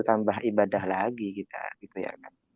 tambah ibadah lagi kita